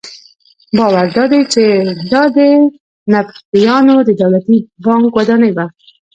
باور دادی چې دا د نبطیانو د دولتي بانک ودانۍ وه.